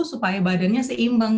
supaya badannya seimbang